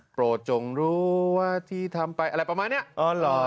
โปรจงรู้ว่าที่ทำไปอะไรประมาณเนี่ย